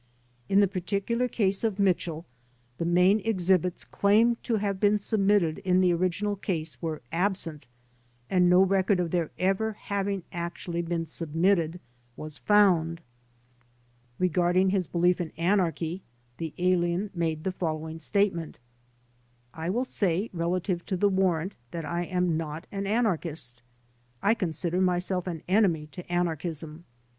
In the particular case of Mitchell the main exhibits claimed to have been submitted in the original case were absent and no record of their ever having actually been submitted, was found. CONNECTED WITH PROSCRIBED ORGANIZATIONS 65 Regarding his belief in anarchy the alien made the f ol lowring statement: '*I will say, relative to the warrant, that I am not an an archist. I consider myself an enemy to anarchism.